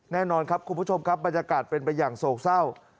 แน่นอนครับคุณผู้ชมครับบรรยากาศเป็นไปอย่างโศกเศร้า